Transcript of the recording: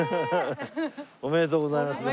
おめでとうございます。